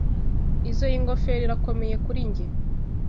Izoi ngofero irakomeye kuri njye.